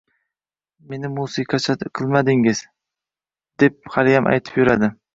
“Meni musiqacha qilmadingiz”, deb haliyam aytib yuradi.